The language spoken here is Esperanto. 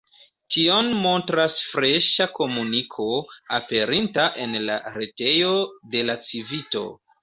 Tion montras freŝa komuniko, aperinta en la retejo de la Civito.